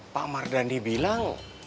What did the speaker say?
pak mardandi bilang